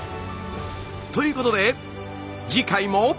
ということで次回も！